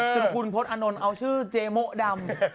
จนคุณพจน์อานนท์เอาชื่อเจโมะดำ